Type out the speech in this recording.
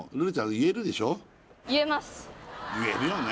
言えるよね